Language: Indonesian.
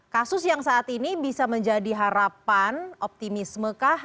kasus yang saat ini bisa menjadi harapan optimisme kah